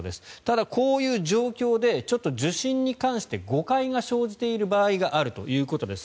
ただ、こういう状況で受診に関して誤解が生じている場合があるということです。